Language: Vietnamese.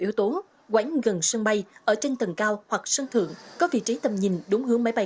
yếu tố quán gần sân bay ở trên tầng cao hoặc sân thượng có vị trí tầm nhìn đúng hướng máy bay